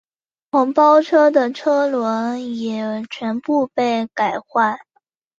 黄包车的车轮也全部被改换。